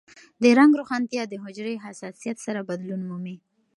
د رنګ روښانتیا د حجرې حساسیت سره بدلون مومي.